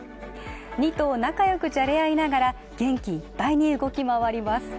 ２頭、仲良くじゃれ合いながら、元気いっぱいに動き回ります。